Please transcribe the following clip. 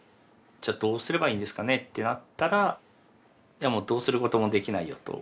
「どうすればいいんですかね？」ってなったら「どうすることもできないよ」と。